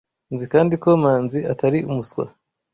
Nzi kandi ko Manzi atari umuswa.